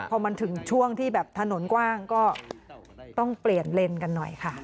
พอมันถึงช่วงที่แบบถนนกว้างก็ต้องเปลี่ยนเลนส์กันหน่อยค่ะ